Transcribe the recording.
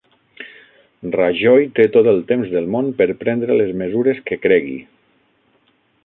Rajoy té tot el temps del món per prendre les mesures que cregui